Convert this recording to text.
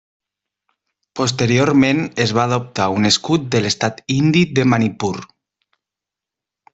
Posteriorment es va adoptar un escut de l'estat indi de Manipur.